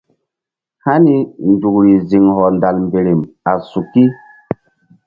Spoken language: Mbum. Hani nzukri ziŋ hɔndal mberem a suki.